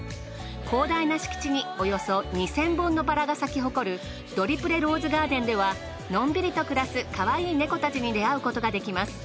広大な敷地におよそ２，０００本のバラが咲き誇るドリプレローズガーデンではのんびりと暮らすかわいいネコたちに出会うことができます。